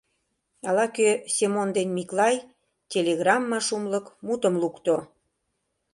Ала-кӧ Семон ден Миклай, телеграмма шумлык мутым лукто.